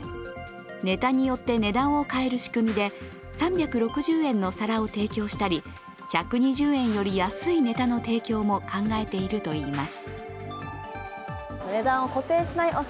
ネタによって値段を変える仕組みで、３６０円の皿を提供したり１２０円より安いネタの提供も考えているといいます。